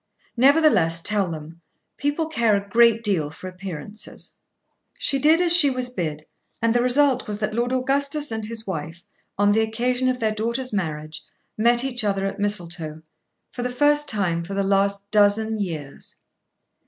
"Nevertheless tell them. People care a great deal for appearances." She did as she was bid, and the result was that Lord Augustus and his wife, on the occasion of their daughter's marriage, met each other at Mistletoe, for the first time for the last dozen years.